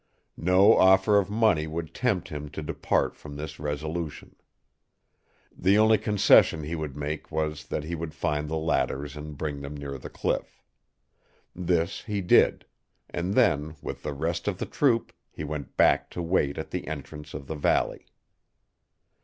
No offer of money would tempt him to depart from this resolution. The only concession he would make was that he would find the ladders and bring them near the cliff. This he did; and then, with the rest of the troop, he went back to wait at the entrance of the valley.